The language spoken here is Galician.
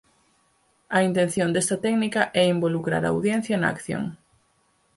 A intención desta técnica é involucrar á audiencia na acción.